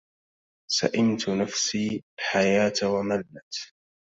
سئمت نفسي الحياة وملت